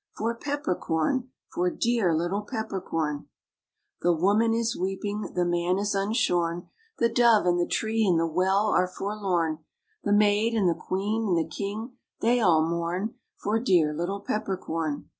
For Pepper Corn, For dear little Pepper Corn ! The woman is weeping, the man is unshorn. The dove and the tree and the well are forlorn, The maid and the queen and the king, they all mourn For dear little Pepper Corn.